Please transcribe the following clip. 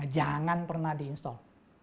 jangan pernah di install